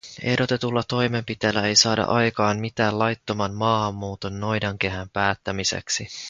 Ehdotetulla toimenpiteellä ei saada aikaan mitään laittoman maahanmuuton noidankehän päättämiseksi.